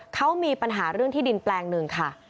เขามีปัญหาเรื่องที่ดินแปลงหนึ่งค่ะ